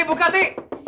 yati buka yati